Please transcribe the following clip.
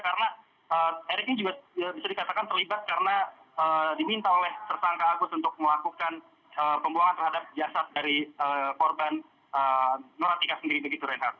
karena erik ini juga bisa dikatakan terlibat karena diminta oleh tersangka agus untuk melakukan pembuangan terhadap jasad dari korban noratika sendiri begitu renhar